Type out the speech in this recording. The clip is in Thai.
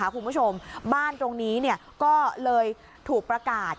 คุณผู้ชมบ้านตรงนี้ก็เลยถูกประกาศ